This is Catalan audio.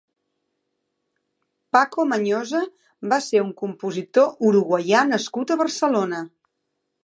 Paco Mañosa va ser un compositor uruguaià nascut a Barcelona.